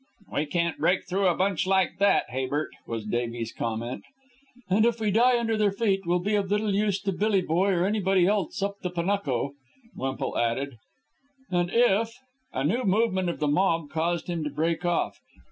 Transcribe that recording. "We can't break through a bunch like that, Habert," was Davies' comment. "And if we die under their feet we'll be of little use to Billy Boy or anybody else up the Panuco," Wemple added. "And if " A new movement of the mob caused him to break off.